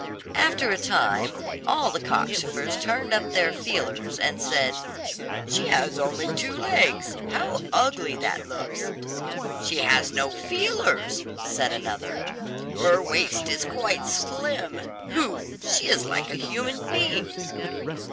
After a time, all the cockchafers turned up their feelers, and said, "She has only two legs! how ugly that looks." "She has no feelers," said another. "Her waist is quite slim. Pooh! she is like a human being."